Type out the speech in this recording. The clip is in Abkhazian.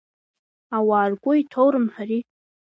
Ауаа ргәы иҭоу рымҳәари.